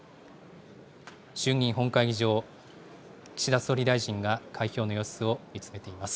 衆議院本会議場、岸田総理大臣が開票の様子を見つめています。